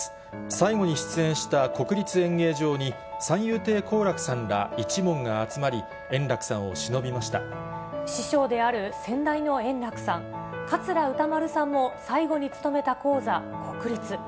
最後に出演した国立演芸場に、三遊亭好楽さんら一門が集まり、師匠である先代の圓楽さん、桂歌丸さんも、最後に務めた高座、国立。